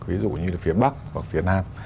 ví dụ như phía bắc hoặc phía nam